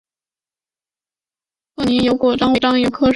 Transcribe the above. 富宁油果樟为樟科油果樟属下的一个种。